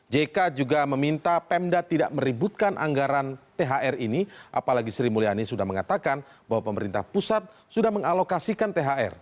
jk juga meminta pemda tidak meributkan anggaran thr ini apalagi sri mulyani sudah mengatakan bahwa pemerintah pusat sudah mengalokasikan thr